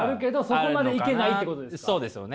そこまでいけないってことですか？